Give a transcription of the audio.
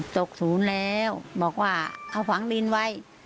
ศูนย์แล้วบอกว่าเอาฝังดินไว้